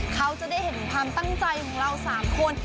เขาจะได้เห็นความตั้งใจของเรา๓คน